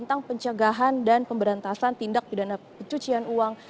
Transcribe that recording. tentang pencegahan dan pemberantasan tindak pidana pencucian uang